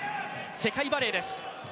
世界バレ−です。